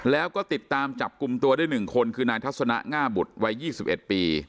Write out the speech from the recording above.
แล้วก็ติดตามจับกลุ่มตัวได้หนึ่งคนคือนายทัศนะง่าบุตรวัยยี่สิบเอ็ดปี